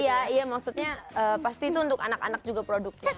iya iya maksudnya pasti itu untuk anak anak juga produknya